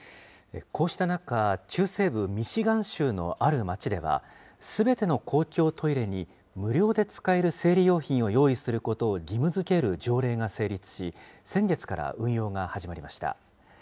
こうした中、中西部ミシガン州のある街では、すべての公共トイレに無料で使える生理用品を用意することを義務づける条例が成立し、先月から運用が始まりました。